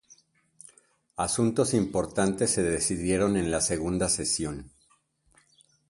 Asuntos importantes se decidieron en la segunda sesión.